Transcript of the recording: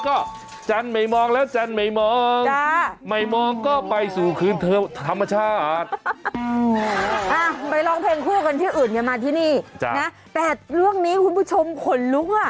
โอ้โหโลกไหนเนี่ย